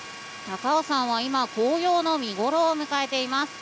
高尾山は今、紅葉の見頃を迎えています。